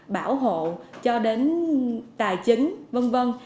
bảo hộ cho đến tài chính vân vân